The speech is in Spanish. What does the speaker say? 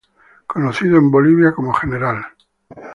Conocido en Bolivia como general.